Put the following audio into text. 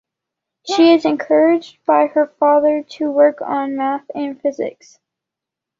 She was encouraged by her father to work on maths and physics.